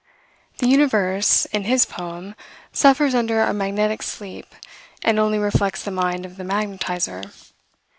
The universe, in his poem, suffers under a magnetic sleep, and only reflects the mind of the magnetizer.